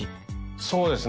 そうですね